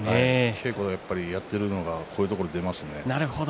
稽古でやっているのがこういうところに出ますね。